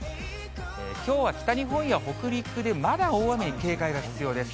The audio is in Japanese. きょうは北日本や北陸でまだ大雨に警戒が必要です。